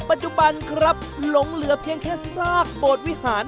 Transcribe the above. ปัจจุบันครับหลงเหลือเพียงแค่ซากโบสถวิหาร